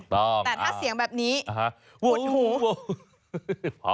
แต่ถ้าเสียงแบบนี้โหโหโห